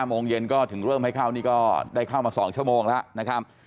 โมงเย็นก็ถึงเริ่มให้เข้านี่ก็ได้เข้ามา๒ชั่วโมงแล้วนะครับ